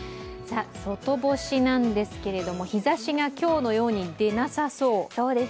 外干しなんですけれども、日ざしが今日のように出なさそう。